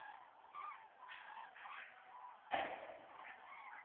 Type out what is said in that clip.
Přináší vítr a vlny šplouchají o hrad.